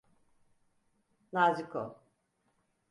Nazik ol.